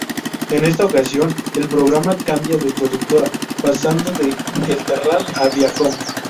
En esta ocasión, el programa cambia de productora, pasando de El Terrat a Viacom.